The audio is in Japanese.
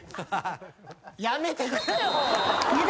やめてくれよっ！